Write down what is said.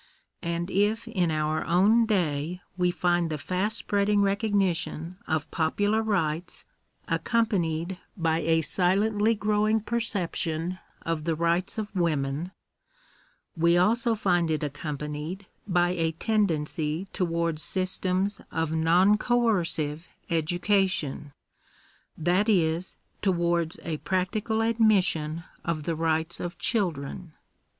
And if in our own day, we find the fast spreading recognition of popular rights accompanied by a silently growing perception of the rights of women, we also find it accompanied by a tendency towards systems of non coercive education — that is, towards a practical admission of the rights of children.